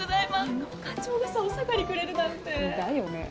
あの課長がさお下がりくれるなんて。だよね